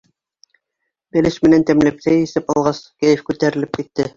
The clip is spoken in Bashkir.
Бәлеш менән тәмләп сәй эсеп алғас, кәйеф күтәрелеп китте.